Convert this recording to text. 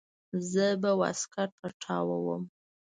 زه به واسکټ پټاووم.